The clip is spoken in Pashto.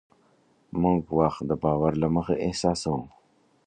موږ وخت د باور له مخې احساسوو.